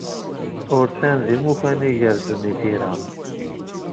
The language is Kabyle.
Urtan d imukan igerrzen i tira.